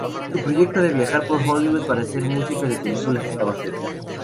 Su proyecto de viajar a Hollywood para hacer música de películas estaba cerca.